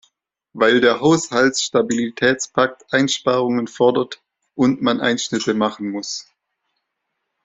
Weil der Haushaltsstabilitätspakt Einsparungen fordert und man Einschnitte machen muss.